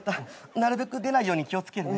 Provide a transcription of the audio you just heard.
なるべく出ないように気を付けるね。